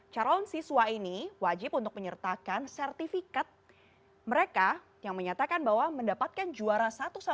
calon siswa ini wajib untuk menyertakan sertifikat mereka yang menyatakan bahwa mendapatkan juara satu satu